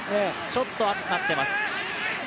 ちょっと熱くなってます。